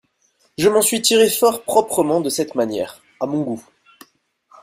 Je m'en suis tiré fort proprement de cette manière, à mon goût.